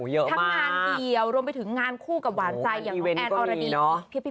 ทำงานเดียวรวมไปถึงงานคู่กับหวานใจอย่างน้องแอนอรดี